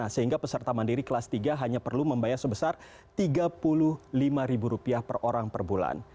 sehingga peserta mandiri kelas tiga hanya perlu membayar sebesar rp tiga puluh lima per orang per bulan